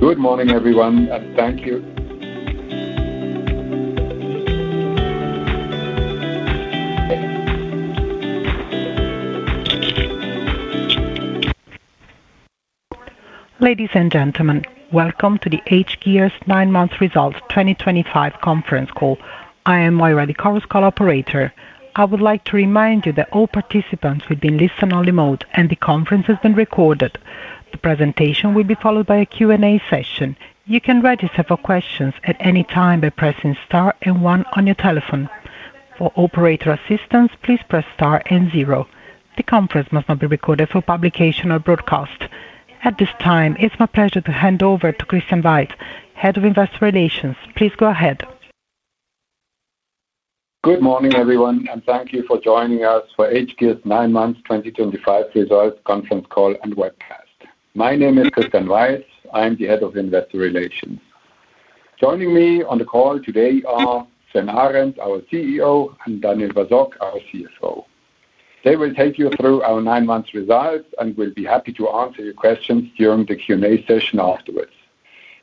Good morning, everyone, and thank you. Ladies and gentlemen, welcome to the hGears nine months results 2025 conference call. I am Moira de Caro, Scale Operator. I would like to remind you that all participants will be listening on remote, and the conference has been recorded. The presentation will be followed by a Q&A session. You can register for questions at any time by pressing star and one on your telephone. For operator assistance, please press star and zero. The conference must not be recorded for publication or broadcast. At this time, it's my pleasure to hand over to Christian Weiz, Head of Investor Relations. Please go ahead. Good morning, everyone, and thank you for joining us for hGears nine monthss 2025 results conference wall and Webcast. My name is Christian Weiz. I'm the Head of Investor Relations. Joining me on the call today are Sven Arend, our CEO, and Daniel Basok, our CFO. They will take you through our nine monthss Results, and we'll be happy to answer your questions during the Q&A session afterwards.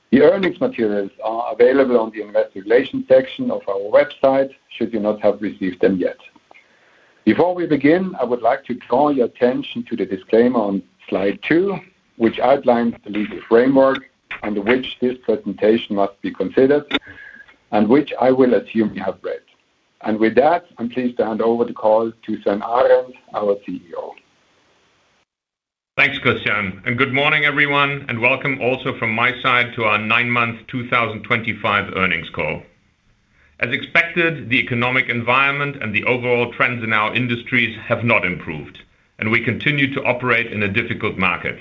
The earnings materials are available on the Investor Relations section of our website should you not have received them yet. Before we begin, I would like to draw your attention to the disclaimer on slide two, which outlines the legal framework under which this presentation must be considered, and which I will assume you have read. I am pleased to hand over the call to Sven Arend, our CEO. Thanks, Christian. Good morning, everyone, and welcome also from my side to our nine monthss 2025 earnings call. As expected, the economic environment and the overall trends in our industries have not improved, and we continue to operate in a difficult market.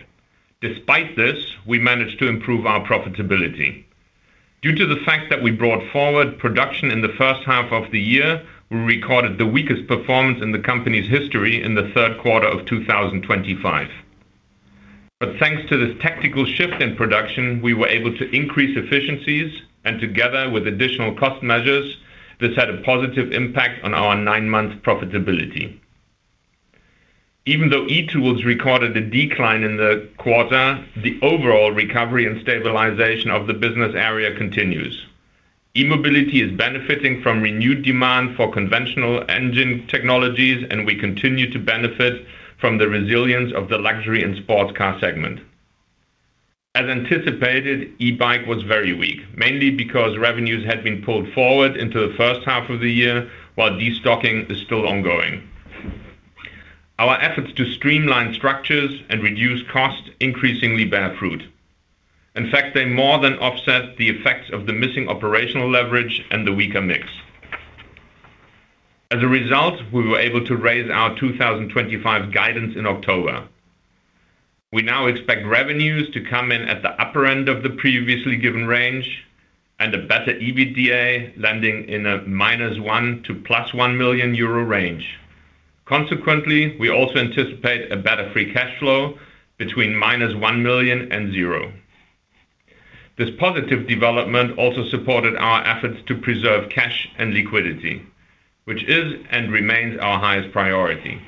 Despite this, we managed to improve our profitability. Due to the fact that we brought forward production in the first half of the year, we recorded the weakest performance in the company's history in the third quarter of 2025. Thanks to this tactical shift in production, we were able to increase efficiencies, and together with additional cost measures, this had a positive impact on our nine monthss profitability. Even though eTools recorded a decline in the quarter, the overall recovery and stabilization of the business area continues. E-mobility is benefiting from renewed demand for conventional engine technologies, and we continue to benefit from the resilience of the luxury and sports car segment. As anticipated, eBike was very weak, mainly because revenues had been pulled forward into the first half of the year, while destocking is still ongoing. Our efforts to streamline structures and reduce costs increasingly bear fruit. In fact, they more than offset the effects of the missing operational leverage and the weaker mix. As a result, we were able to raise our 2025 guidance in October. We now expect revenues to come in at the upper end of the previously given range and a better EBITDA landing in a -1 million euro to EUR +1 million range. Consequently, we also anticipate a better free cash flow between -1 million and 0. This positive development also supported our efforts to preserve cash and liquidity, which is and remains our highest priority.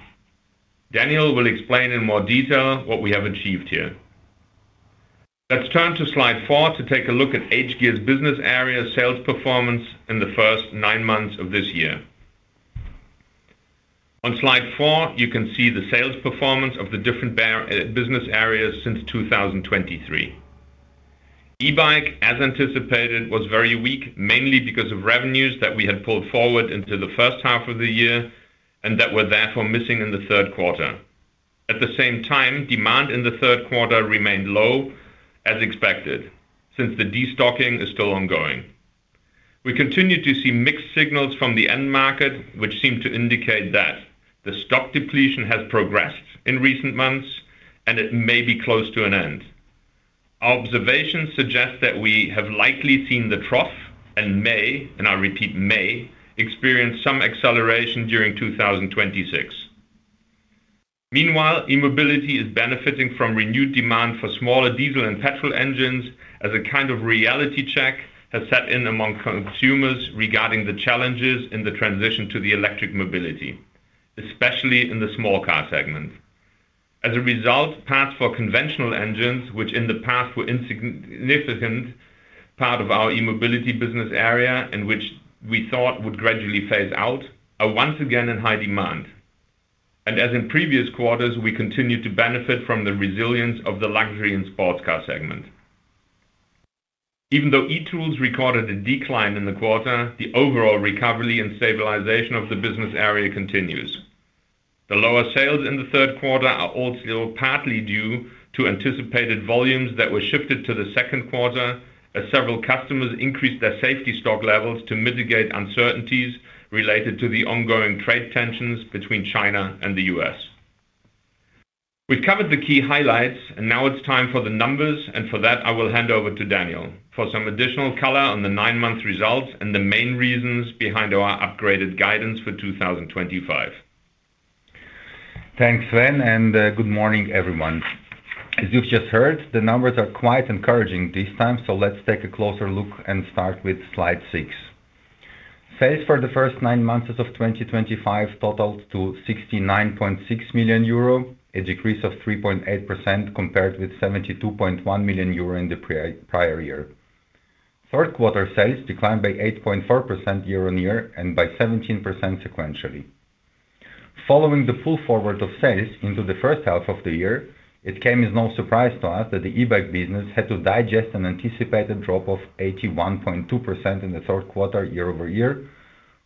Daniel will explain in more detail what we have achieved here. Let's turn to slide four to take a look at hGears' business area sales performance in the first nine months of this year. On slide four, you can see the sales performance of the different business areas since 2023. eBike, as anticipated, was very weak, mainly because of revenues that we had pulled forward into the first half of the year and that were therefore missing in the third quarter. At the same time, demand in the third quarter remained low, as expected, since the destocking is still ongoing. We continue to see mixed signals from the end market, which seem to indicate that the stock depletion has progressed in recent months, and it may be close to an end. Our observations suggest that we have likely seen the trough and may, and I repeat, may, experience some acceleration during 2026. Meanwhile, e-mobility is benefiting from renewed demand for smaller diesel and petrol engines, as a kind of reality check has set in among consumers regarding the challenges in the transition to electric mobility, especially in the small car segment. As a result, parts for conventional engines, which in the past were a significant part of our e-mobility business area and which we thought would gradually phase out, are once again in high demand. As in previous quarters, we continue to benefit from the resilience of the luxury and sports car segment. Even though eTools recorded a decline in the quarter, the overall recovery and stabilization of the business area continues. The lower sales in the third quarter are also partly due to anticipated volumes that were shifted to the second quarter, as several customers increased their safety stock levels to mitigate uncertainties related to the ongoing trade tensions between China and the U.S. We've covered the key highlights, and now it's time for the numbers, and for that, I will hand over to Daniel for some additional color on the nine months results and the main reasons behind our upgraded guidance for 2025. Thanks, Sven, and good morning, everyone. As you've just heard, the numbers are quite encouraging this time, so let's take a closer look and start with slide six. Sales for the first nine months of 2025 totaled to 69.6 million euro, a decrease of 3.8% compared with 72.1 million euro in the prior year. Third quarter sales declined by 8.4% year on year and by 17% sequentially. Following the pull forward of sales into the first half of the year, it came as no surprise to us that the eBike business had to digest an anticipated drop of 81.2% in the third quarter year-over-year,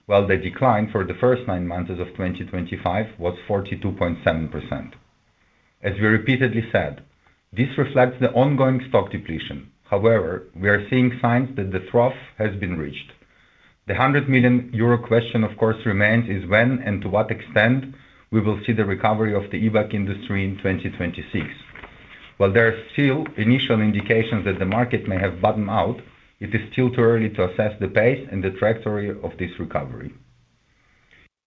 while the decline for the first nine months of 2025 was 42.7%. As we repeatedly said, this reflects the ongoing stock depletion. However, we are seeing signs that the trough has been reached. The 100 million euro question, of course, remains is when and to what extent we will see the recovery of the eBike industry in 2026. While there are still initial indications that the market may have bottomed out, it is still too early to assess the pace and the trajectory of this recovery.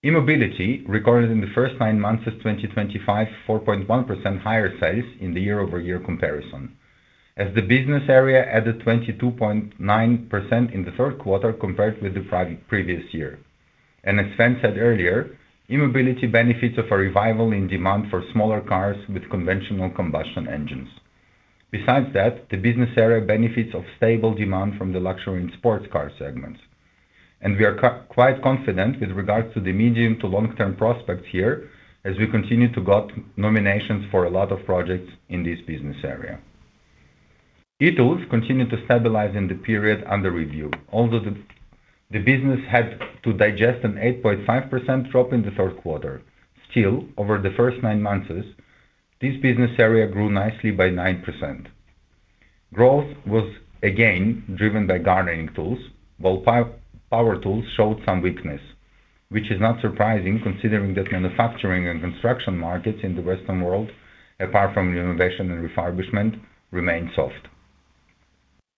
E-mobility recorded in the first nine months of 2025 4.1% higher sales in the year-over-year comparison, as the business area added 22.9% in the third quarter compared with the previous year. As Sven said earlier, e-mobility benefits from a revival in demand for smaller cars with conventional combustion engines. Besides that, the business area benefits from stable demand from the luxury and sports car segments. We are quite confident with regards to the medium to long-term prospects here, as we continue to get nominations for a lot of projects in this business area. eTools continued to stabilize in the period under review, although the business had to digest an 8.5% drop in the third quarter. Still, over the first nine months, this business area grew nicely by 9%. Growth was again driven by gardening tools, while power tools showed some weakness, which is not surprising considering that manufacturing and construction markets in the Western world, apart from renovation and refurbishment, remain soft.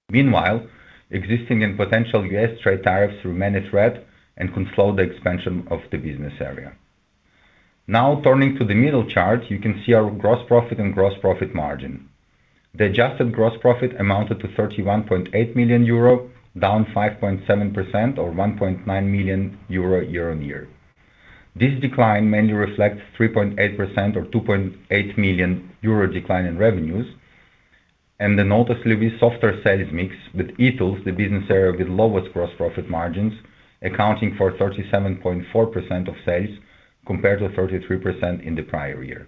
Meanwhile, existing and potential U.S. trade tariffs remain a threat and could slow the expansion of the business area. Now, turning to the middle chart, you can see our gross profit and gross profit margin. The adjusted gross profit amounted to 31.8 million euro, down 5.7% or 1.9 million euro year on year. This decline mainly reflects 3.8% or 2.8 million euro decline in revenues, and the noticeably softer sales mix with eTools, the business area with lowest gross profit margins, accounting for 37.4% of sales compared to 33% in the prior year.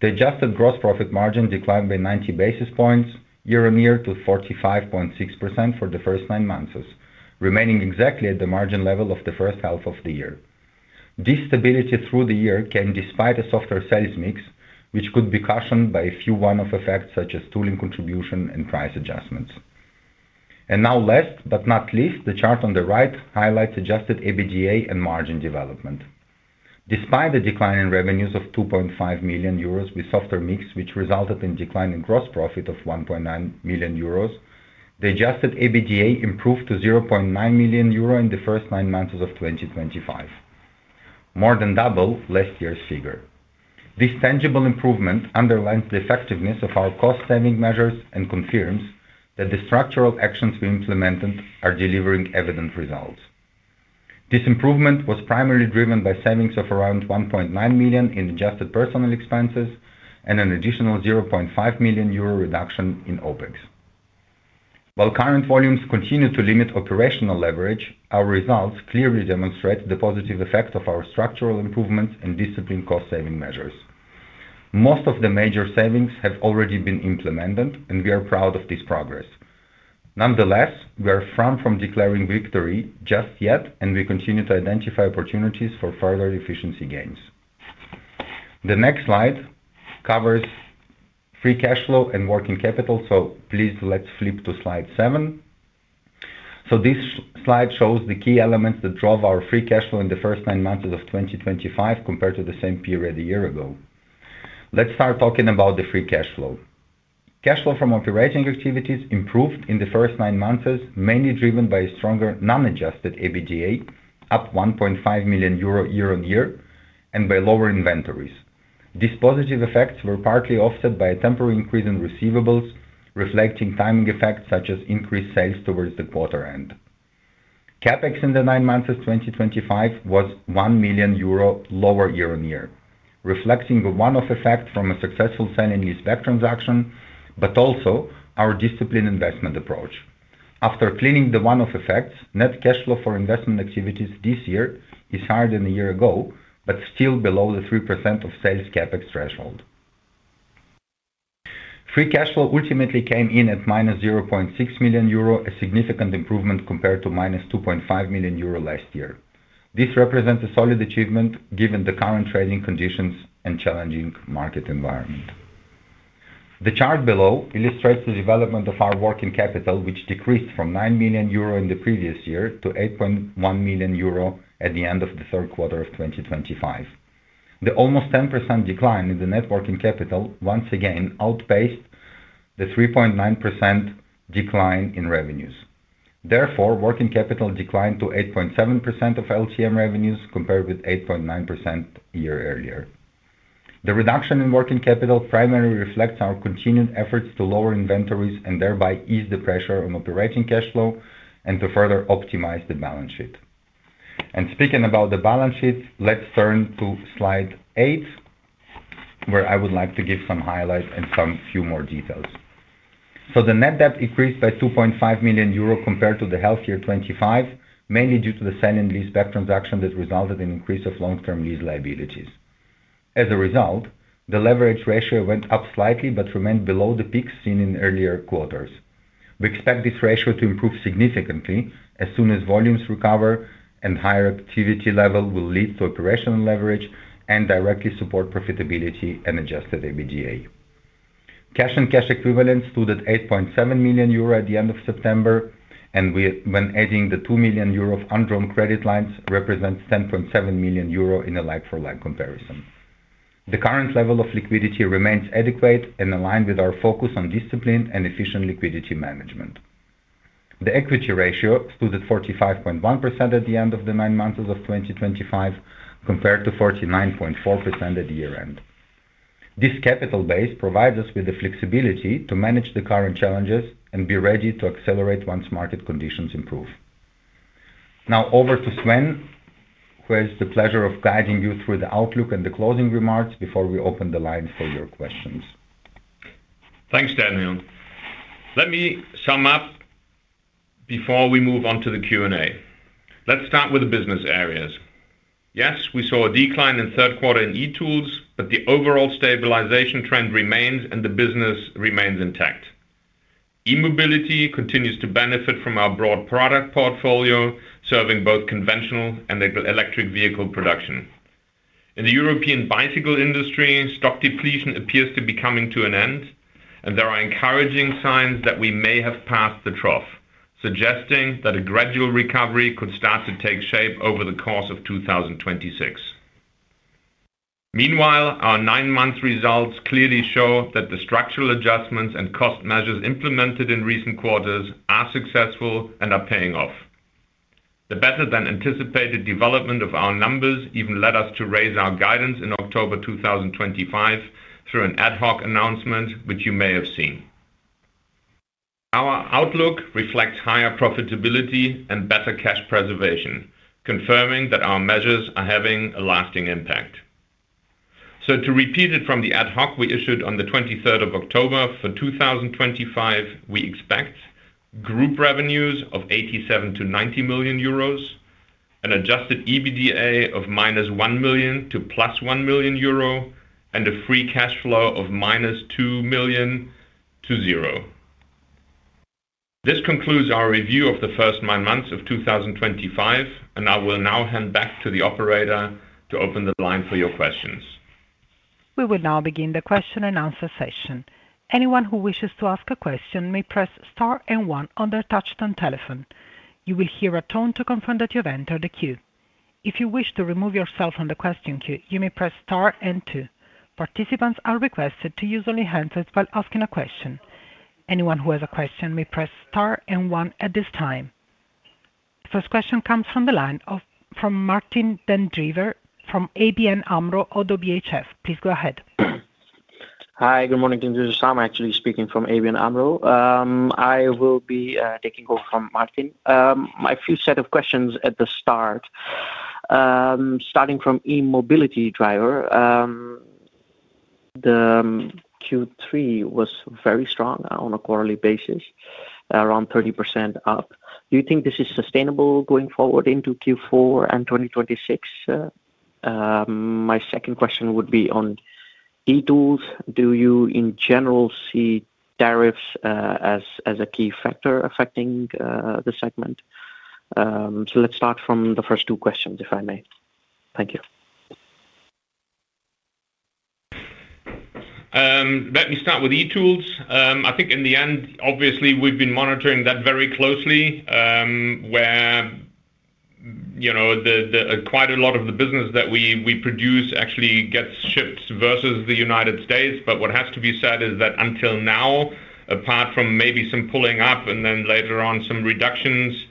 The adjusted gross profit margin declined by 90 basis points year on year to 45.6% for the first nine months, remaining exactly at the margin level of the first half of the year. This stability through the year came, despite a softer sales mix, which could be cautioned by a few one-off effects such as tooling contribution and price adjustments. Last but not least, the chart on the right highlights Adjusted EBITDA and margin development. Despite a decline in revenues of 2.5 million euros with softer mix, which resulted in a decline in gross profit of 1.9 million euros, the Adjusted EBITDA improved to 0.9 million euro in the first nine months of 2025, more than double last year's figure. This tangible improvement underlines the effectiveness of our cost-saving measures and confirms that the structural actions we implemented are delivering evident results. This improvement was primarily driven by savings of around 1.9 million in adjusted personnel expenses and an additional 0.5 million euro reduction in OPEX. While current volumes continue to limit operational leverage, our results clearly demonstrate the positive effect of our structural improvements and disciplined cost-saving measures. Most of the major savings have already been implemented, and we are proud of this progress. Nonetheless, we are far from declaring victory just yet, and we continue to identify opportunities for further efficiency gains. The next slide covers free cash flow and working capital, so please let's flip to slide seven. This slide shows the key elements that drove our free cash flow in the first nine months of 2025 compared to the same period a year ago. Let's start talking about the free cash flow. Cash flow from operating activities improved in the first nine months, mainly driven by a stronger non-Adjusted EBITDA, up 1.5 million euro year on year, and by lower inventories. These positive effects were partly offset by a temporary increase in receivables, reflecting timing effects such as increased sales towards the quarter end. CapEx in the nine months of 2025 was 1 million euro lower year on year, reflecting the one-off effect from a successful selling eBike transaction, but also our disciplined investment approach. After cleaning the one-off effects, net cash flow for investment activities this year is higher than a year ago, but still below the 3% of sales CapEx threshold. Free cash flow ultimately came in at -0.6 million euro, a significant improvement compared to -2.5 million euro last year. This represents a solid achievement given the current trading conditions and challenging market environment. The chart below illustrates the development of our working capital, which decreased from 9 million euro in the previous year to 8.1 million euro at the end of the third quarter of 2025. The almost 10% decline in the net working capital once again outpaced the 3.9% decline in revenues. Therefore, working capital declined to 8.7% of LTM revenues compared with 8.9% a year earlier. The reduction in working capital primarily reflects our continued efforts to lower inventories and thereby ease the pressure on operating cash flow and to further optimize the balance sheet. Speaking about the balance sheet, let's turn to slide eight, where I would like to give some highlights and a few more details. The net debt increased by 2.5 million euro compared to the half year 2025, mainly due to the sale and leaseback transaction that resulted in an increase of long-term lease liabilities. As a result, the leverage ratio went up slightly but remained below the peak seen in earlier quarters. We expect this ratio to improve significantly as soon as volumes recover and higher activity level will lead to operational leverage and directly support profitability and Adjusted EBITDA. Cash and cash equivalents stood at 8.7 million euro at the end of September, and when adding the 2 million euro of undrawn credit lines represents 10.7 million euro in a like-for-like comparison. The current level of liquidity remains adequate and aligned with our focus on disciplined and efficient liquidity management. The equity ratio stood at 45.1% at the end of the nine months of 2025 compared to 49.4% at year-end. This capital base provides us with the flexibility to manage the current challenges and be ready to accelerate once market conditions improve. Now, over to Sven, who has the pleasure of guiding you through the outlook and the closing remarks before we open the line for your questions. Thanks, Daniel. Let me sum up before we move on to the Q&A. Let's start with the business areas. Yes, we saw a decline in third quarter in eTools, but the overall stabilization trend remains and the business remains intact. e-mobility continues to benefit from our broad product portfolio, serving both conventional and electric vehicle production. In the European bicycle industry, stock depletion appears to be coming to an end, and there are encouraging signs that we may have passed the trough, suggesting that a gradual recovery could start to take shape over the course of 2026. Meanwhile, our nine month results clearly show that the structural adjustments and cost measures implemented in recent quarters are successful and are paying off. The better-than-anticipated development of our numbers even led us to raise our guidance in October 2025 through an ad hoc announcement, which you may have seen. Our outlook reflects higher profitability and better cash preservation, confirming that our measures are having a lasting impact. To repeat it from the ad hoc we issued on the 23rd of October for 2025, we expect group revenues of 87 million-90 million euros, an Adjusted EBITDA of -1 million to +1 million euro, and a free cash flow of -2 million to zero. This concludes our review of the first nine months of 2025, and I will now hand back to the operator to open the line for your questions. We will now begin the question-and-answer session. Anyone who wishes to ask a question may press star and one on their touch-tone telephone. You will hear a tone to confirm that you have entered the queue. If you wish to remove yourself from the question queue, you may press star and two. Participants are requested to use only handsets while asking a question. Anyone who has a question may press star and one at this time. The first question comes from the line of Martijn den Drijver from ABN AMRO or WHF. Please go ahead. Hi, good morning, [den Drijver]. I'm actually speaking from ABN AMRO. I will be taking over from Martijn. My few set of questions at the start, starting from e-mobility driver. The Q3 was very strong on a quarterly basis, around 30% up. Do you think this is sustainable going forward into Q4 and 2026? My second question would be on eTools. Do you, in general, see tariffs as a key factor affecting the segment? Let's start from the first two questions, if I may. Thank you. Let me start with eTools. I think in the end, obviously, we've been monitoring that very closely, where quite a lot of the business that we produce actually gets shipped versus the United States. What has to be said is that until now, apart from maybe some pulling up and then later on some reductions,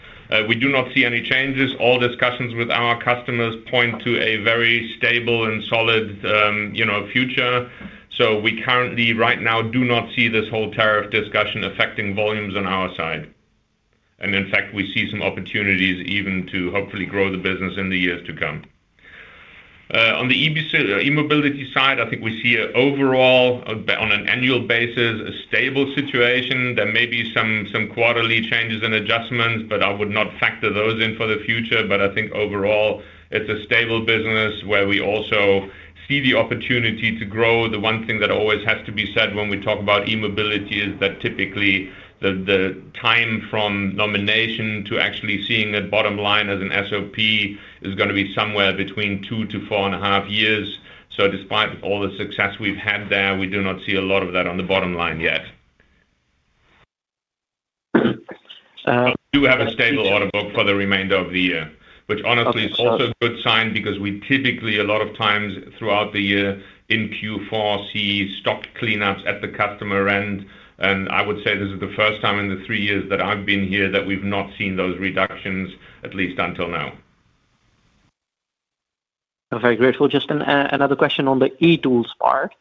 we do not see any changes. All discussions with our customers point to a very stable and solid future. We currently, right now, do not see this whole tariff discussion affecting volumes on our side. In fact, we see some opportunities even to hopefully grow the business in the years to come. On the e-mobility side, I think we see overall, on an annual basis, a stable situation. There may be some quarterly changes and adjustments, but I would not factor those in for the future. I think overall, it's a stable business where we also see the opportunity to grow. The one thing that always has to be said when we talk about e-mobility is that typically the time from nomination to actually seeing that bottom line as an SOP is going to be somewhere between two to four and a half years. Despite all the success we've had there, we do not see a lot of that on the bottom line yet. We do have a stable order book for the remainder of the year, which honestly is also a good sign because we typically, a lot of times throughout the year in Q4, see stock cleanups at the customer end. I would say this is the first time in the three years that I've been here that we've not seen those reductions, at least until now. Very grateful. Just another question on the eTools part.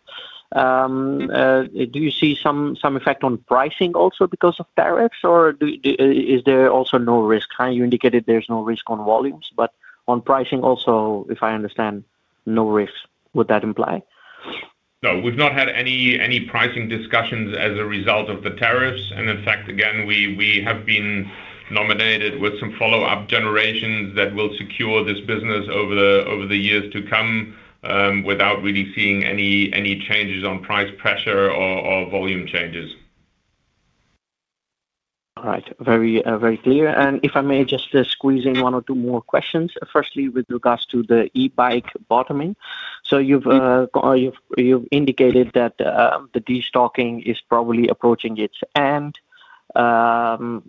Do you see some effect on pricing also because of tariffs, or is there also no risk? You indicated there is no risk on volumes, but on pricing also, if I understand, no risk. Would that imply? No, we've not had any pricing discussions as a result of the tariffs. In fact, again, we have been nominated with some follow-up generations that will secure this business over the years to come without really seeing any changes on price pressure or volume changes. All right. Very clear. If I may just squeeze in one or two more questions, firstly with regards to the eBike bottoming. You've indicated that the destocking is probably approaching its end. Firstly,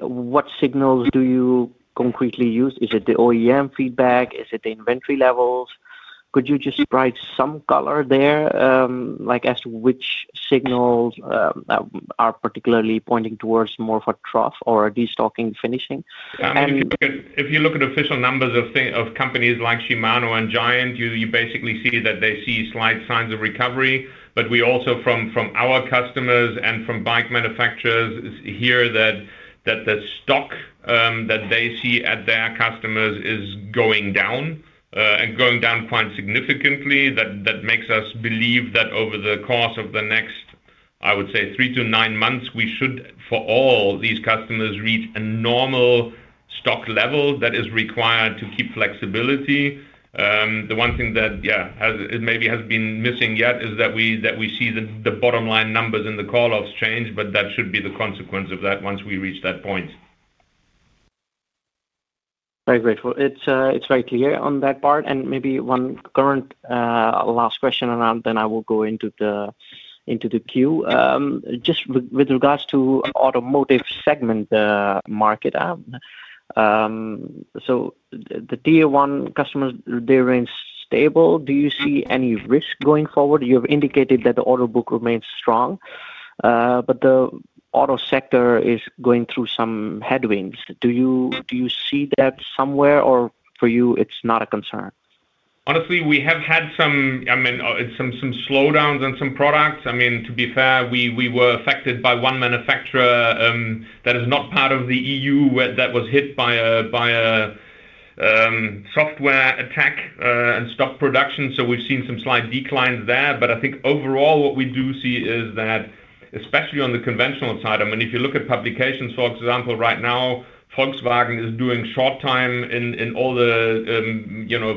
what signals do you concretely use? Is it the OEM feedback? Is it the inventory levels? Could you just provide some color there as to which signals are particularly pointing towards more of a trough or a destocking finishing? If you look at official numbers of companies like Shimano and Giant, you basically see that they see slight signs of recovery. We also, from our customers and from bike manufacturers, hear that the stock that they see at their customers is going down and going down quite significantly. That makes us believe that over the course of the next, I would say, three to nine months, we should, for all these customers, reach a normal stock level that is required to keep flexibility. The one thing that maybe has been missing yet is that we see the bottom line numbers in the call-offs change, but that should be the consequence of that once we reach that point. Very grateful. It is very clear on that part. Maybe one current last question, and then I will go into the queue. Just with regards to the automotive segment market, the tier one customers, they remain stable. Do you see any risk going forward? You have indicated that the order book remains strong, but the auto sector is going through some headwinds. Do you see that somewhere, or for you, it is not a concern? Honestly, we have had some slowdowns on some products. I mean, to be fair, we were affected by one manufacturer that is not part of the EU that was hit by a software attack and stopped production. We have seen some slight declines there. I think overall, what we do see is that, especially on the conventional side, I mean, if you look at publications, for example, right now, Volkswagen is doing short time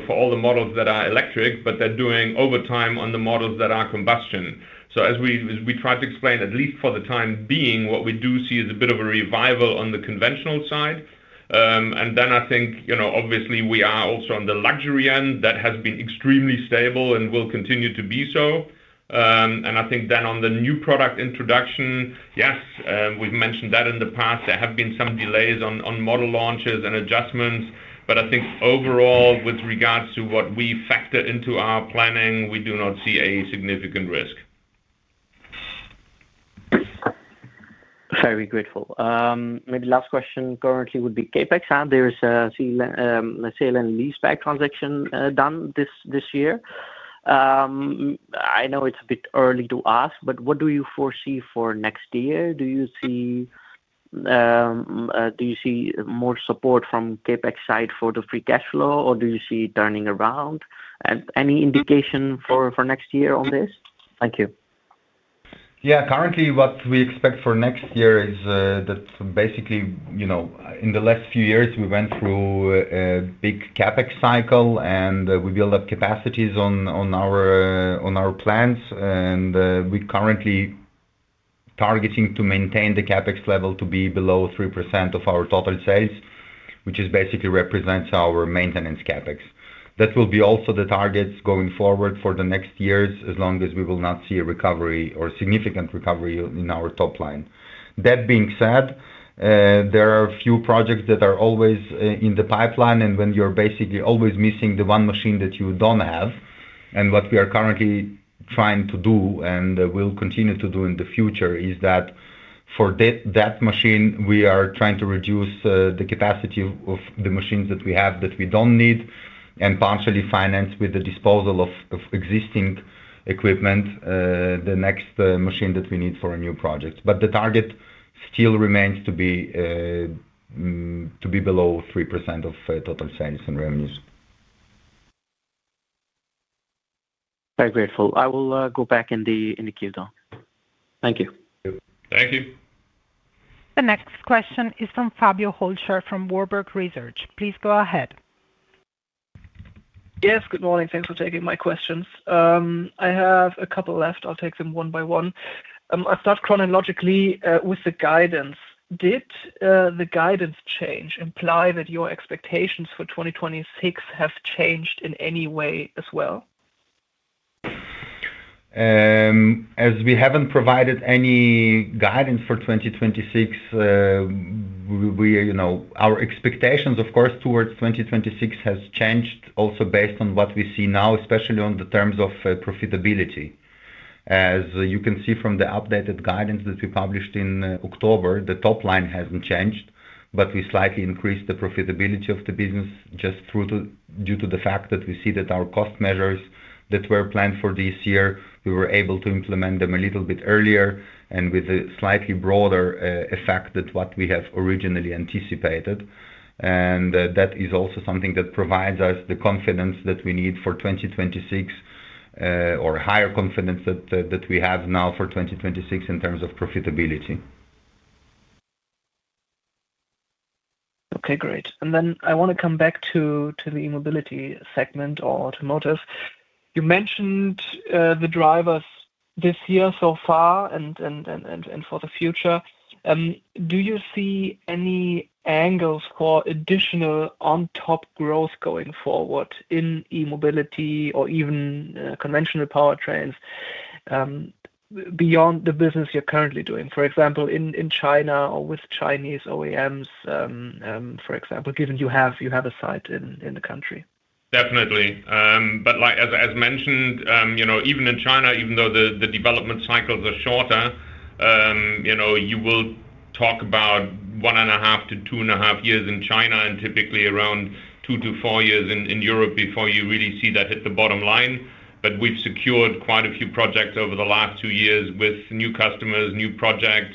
for all the models that are electric, but they are doing overtime on the models that are combustion. As we try to explain, at least for the time being, what we do see is a bit of a revival on the conventional side. I think, obviously, we are also on the luxury end. That has been extremely stable and will continue to be so. I think then on the new product introduction, yes, we've mentioned that in the past. There have been some delays on model launches and adjustments. I think overall, with regards to what we factor into our planning, we do not see a significant risk. Very grateful. Maybe last question currently would be CapEx. There is a sale and lease back transaction done this year. I know it's a bit early to ask, but what do you foresee for next year? Do you see more support from CapEx side for the free cash flow, or do you see turning around? Any indication for next year on this? Thank you. Yeah. Currently, what we expect for next year is that basically in the last few years, we went through a big CapEx cycle, and we built up capacities on our plans. We are currently targeting to maintain the CapEx level to be below 3% of our total sales, which basically represents our maintenance CapEx. That will be also the targets going forward for the next years as long as we will not see a recovery or significant recovery in our top line. That being said, there are a few projects that are always in the pipeline, and when you're basically always missing the one machine that you don't have. What we are currently trying to do and will continue to do in the future is that for that machine, we are trying to reduce the capacity of the machines that we have that we do not need and partially finance with the disposal of existing equipment the next machine that we need for a new project. The target still remains to be below 3% of total sales and revenues. Very grateful. I will go back in the queue though. Thank you. Thank you. The next question is from Fabio Hölscher from Warburg Research. Please go ahead. Yes, good morning. Thanks for taking my questions. I have a couple left. I'll take them one by one. I'll start chronologically with the guidance. Did the guidance change imply that your expectations for 2026 have changed in any way as well? As we have not provided any guidance for 2026, our expectations, of course, towards 2026 have changed also based on what we see now, especially in terms of profitability. As you can see from the updated guidance that we published in October, the top line has not changed, but we slightly increased the profitability of the business just due to the fact that we see that our cost measures that were planned for this year, we were able to implement them a little bit earlier and with a slightly broader effect than what we have originally anticipated. That is also something that provides us the confidence that we need for 2026 or higher confidence that we have now for 2026 in terms of profitability. Okay, great. I want to come back to the e-mobility segment or automotive. You mentioned the drivers this year so far and for the future. Do you see any angles for additional on-top growth going forward in e-mobility or even conventional powertrains beyond the business you're currently doing, for example, in China or with Chinese OEMs, for example, given you have a site in the country? Definitely. As mentioned, even in China, even though the development cycles are shorter, you will talk about one and a half to two and a half years in China and typically around two to four years in Europe before you really see that hit the bottom line. We have secured quite a few projects over the last two years with new customers, new projects.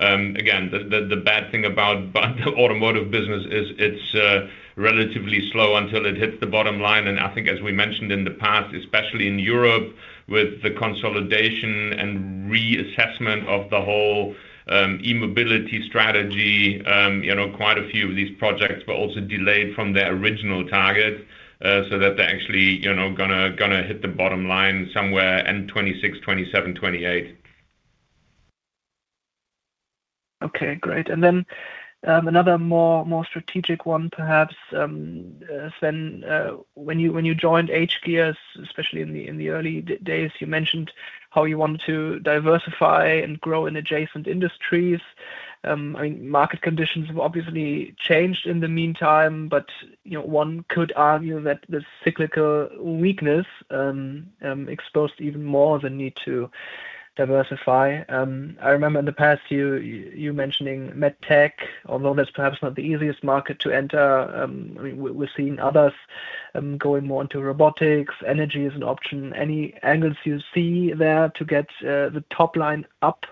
Again, the bad thing about the automotive business is it is relatively slow until it hits the bottom line. I think, as we mentioned in the past, especially in Europe with the consolidation and reassessment of the whole e-mobility strategy, quite a few of these projects were also delayed from their original targets so that they are actually going to hit the bottom line somewhere end 2026, 2027, 2028. Okay, great. Another more strategic one, perhaps, Sven, when you joined hGears, especially in the early days, you mentioned how you wanted to diversify and grow in adjacent industries. I mean, market conditions have obviously changed in the meantime, but one could argue that the cyclical weakness exposed even more the need to diversify. I remember in the past you mentioning MedTech, although that's perhaps not the easiest market to enter. I mean, we're seeing others going more into robotics. Energy is an option. Any angles you see there to get the top line up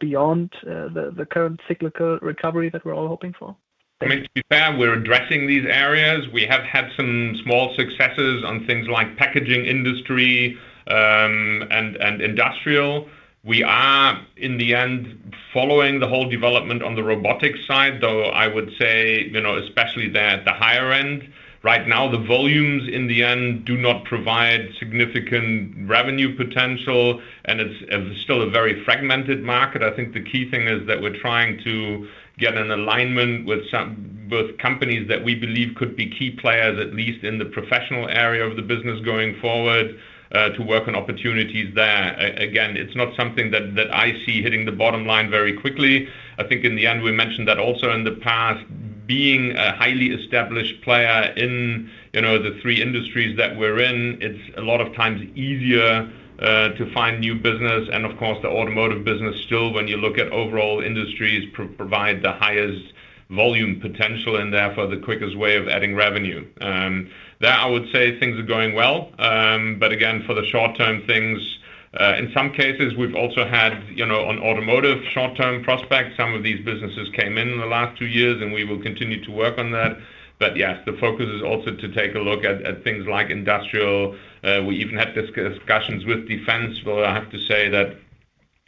beyond the current cyclical recovery that we're all hoping for? I mean, to be fair, we're addressing these areas. We have had some small successes on things like packaging industry and industrial. We are, in the end, following the whole development on the robotics side, though I would say especially the higher end. Right now, the volumes in the end do not provide significant revenue potential, and it's still a very fragmented market. I think the key thing is that we're trying to get an alignment with companies that we believe could be key players, at least in the professional area of the business going forward, to work on opportunities there. Again, it's not something that I see hitting the bottom line very quickly. I think in the end, we mentioned that also in the past, being a highly established player in the three industries that we're in, it's a lot of times easier to find new business. Of course, the automotive business still, when you look at overall industries, provides the highest volume potential in there for the quickest way of adding revenue. I would say things are going well. Again, for the short-term things, in some cases, we've also had on automotive short-term prospects. Some of these businesses came in in the last two years, and we will continue to work on that. Yes, the focus is also to take a look at things like industrial. We even had discussions with defense. I have to say that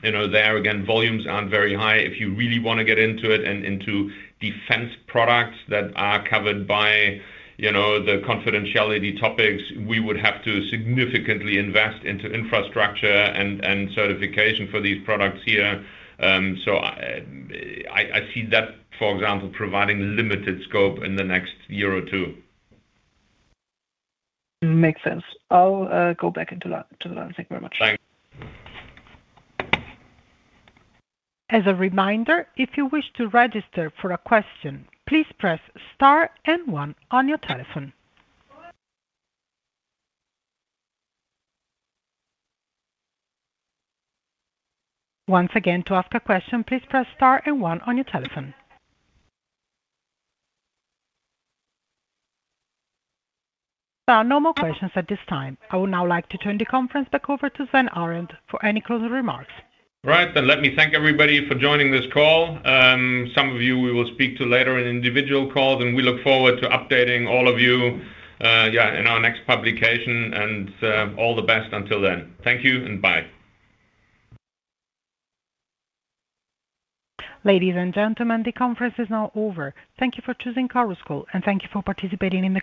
there, again, volumes aren't very high. If you really want to get into it and into defense products that are covered by the confidentiality topics, we would have to significantly invest into infrastructure and certification for these products here. I see that, for example, providing limited scope in the next year or two. Makes sense. I'll go back into that. Thank you very much. Thanks. As a reminder, if you wish to register for a question, please press star and one on your telephone. Once again, to ask a question, please press star and one on your telephone. There are no more questions at this time. I would now like to turn the conference back over to Sven Arend for any closing remarks. Right. Let me thank everybody for joining this call. Some of you we will speak to later in individual calls, and we look forward to updating all of you in our next publication. All the best until then. Thank you and bye. Ladies and gentlemen, the conference is now over. Thank you for choosing Caruscol, and thank you for participating in the.